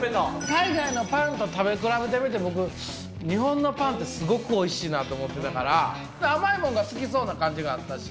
海外のパンと食べ比べてみて、僕、日本のパンってすごくおいしいなと思ってたから、甘いもんが好きそうな感じがあったし。